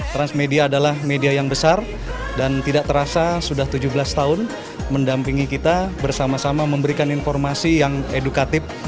transmedia adalah media yang besar dan tidak terasa sudah tujuh belas tahun mendampingi kita bersama sama memberikan informasi yang edukatif